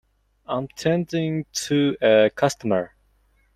I am tending to a customer.